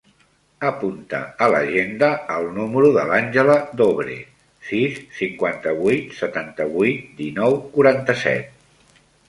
Apunta a l'agenda el número de l'Àngela Dobre: sis, cinquanta-vuit, setanta-vuit, dinou, quaranta-set.